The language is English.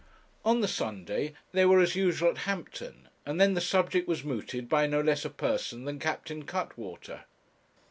On the Sunday they were as usual at Hampton, and then the subject was mooted by no less a person than Captain Cuttwater.